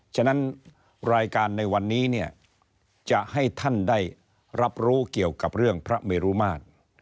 ฉะนั้นรายการในวันนี้เนี่ยจะให้ท่านได้รับรู้เกี่ยวกับเรื่องพระเมรุมาตร